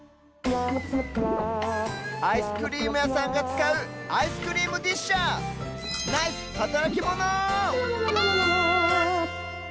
アイスクリームやさんがつかうアイスクリームディッシャーナイスはたらきモノ！